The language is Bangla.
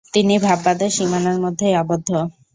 তিনি ভাববাদের সীমানার মধ্যেই আবদ্ধ।